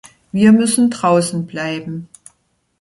Wir müssen draußen bleiben!